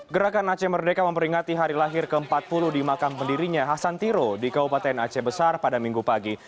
gerakan aceh merdeka memperingati hari lahir ke empat puluh di makam pendirinya hasan tiro di kabupaten aceh besar pada minggu pagi